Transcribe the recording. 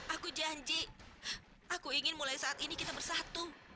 aku janji aku ingin mulai saat ini kita bersatu